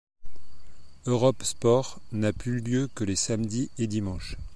Europe Sport n'a plus lieu que les samedis et dimanches.